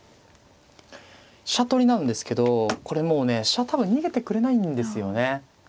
飛車取りなんですけどこれもうね飛車多分逃げてくれないんですよね。